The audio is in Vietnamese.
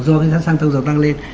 do cái giá sang dầu tăng lên